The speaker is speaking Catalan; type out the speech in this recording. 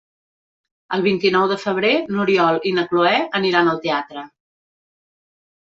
El vint-i-nou de febrer n'Oriol i na Cloè aniran al teatre.